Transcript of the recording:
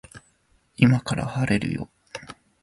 今から晴れるよ